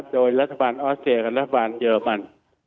โดยรัฐบาลออสเตรกับรัฐบาลเยอรมัน